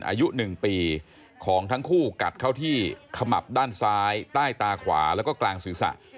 อายุ๑ปีของทั้งคู่กัดเข้าที่ขมับด้านซ้ายใต้ตาขวาแล้วก็กลางศีรษะ